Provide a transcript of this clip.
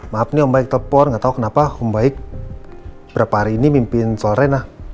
maaf nih om baik telfon gak tau kenapa om baik berapa hari ini mimpiin sore